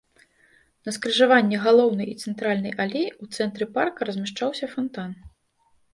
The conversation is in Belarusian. На скрыжаванні галоўнай і цэнтральнай алей, у цэнтры парка размяшчаўся фантан.